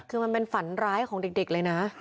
คือมันเป็นฝันร้ายของเด็กเลยนะ